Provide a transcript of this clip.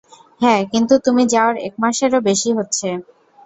হ্যাঁঁ, কিন্তু তুমি যাওয়ার এক মাসেরও বেশি হচ্ছে।